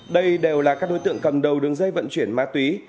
đây đều là các đối tượng cầm đầu đường dây vận chuyển ma túy